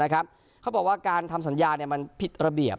เค้าบอกการทำสัญญาที่นี้ผิดระเบียบ